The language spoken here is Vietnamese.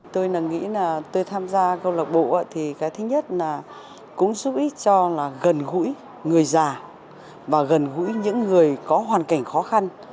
tôi nghĩ là tôi tham gia câu lạc bộ thì cái thứ nhất là cũng giúp ích cho là gần gũi người già và gần gũi những người có hoàn cảnh khó khăn